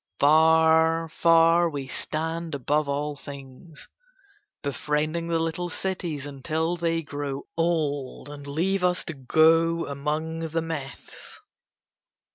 "Far, far, we stand above all things; befriending the little cities until they grow old and leave us to go among the myths.